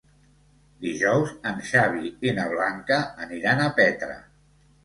Dijous en Xavi i na Blanca aniran a Petra.